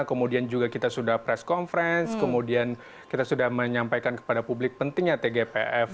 kemudian juga kita sudah press conference kemudian kita sudah menyampaikan kepada publik pentingnya tgpf